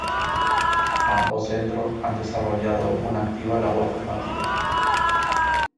Ambos centros han desarrollado una activa labor formativa.